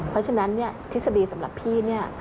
เพราะฉะนั้นทฤษฎีสำหรับพี่